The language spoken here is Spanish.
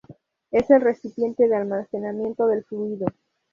Es el recipiente de almacenamiento del fluido.